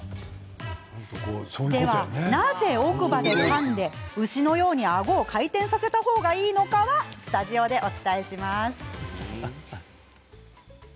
では、なぜ奥歯でかみ牛のようにあごを回転させた方がいいのかはスタジオで、お伝えします。